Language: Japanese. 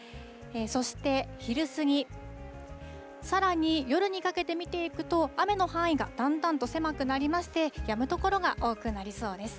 そして昼過ぎ、さらに夜にかけて見ていくと、雨の範囲がだんだんと狭くなりまして、やむ所が多くなりそうです。